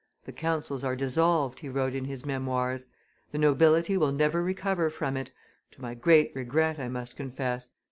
"The councils are dissolved," he wrote in his memoirs; "the nobility will never recover from it to my great regret, I must confess.